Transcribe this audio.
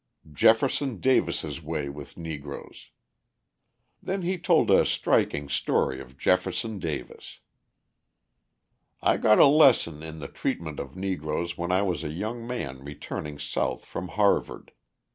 Jefferson Davis's Way with Negroes Then he told a striking story of Jefferson Davis. "I got a lesson in the treatment of Negroes when I was a young man returning South from Harvard.